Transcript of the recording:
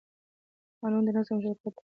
قانون د نظم چوکاټ ټاکي